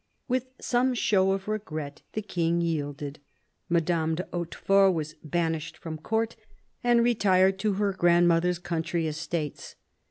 With some show of regret, the King yielded. Madame de Hautefort was banished from Court, and retired to her grandmother's country estates.